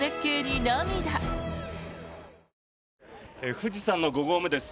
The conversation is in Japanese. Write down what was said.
富士山の５合目です。